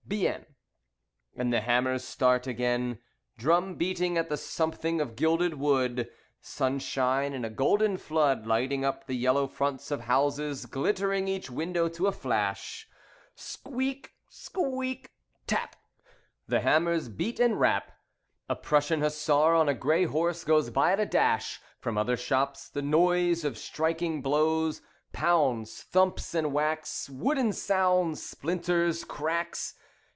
"Bien." And the hammers start again, Drum beating at the something of gilded wood. Sunshine in a golden flood Lighting up the yellow fronts of houses, Glittering each window to a flash. Squeak! Squeak! Tap! The hammers beat and rap. A Prussian hussar on a grey horse goes by at a dash. From other shops, the noise of striking blows: Pounds, thumps, and whacks; Wooden sounds: splinters cracks.